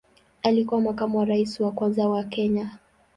Alikuwa makamu wa rais wa kwanza wa Kenya.